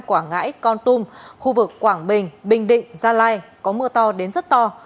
quảng ngãi con tum khu vực quảng bình bình định gia lai có mưa to đến rất to